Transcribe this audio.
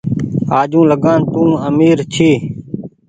آجوٚنٚ لگآن تو آمير ڇي